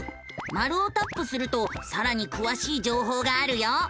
マルをタップするとさらにくわしい情報があるよ。